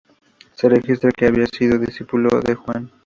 Se registra que había sido discípulo de Juan.